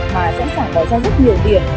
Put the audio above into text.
mà sẽ sản bỏ ra rất nhiều điểm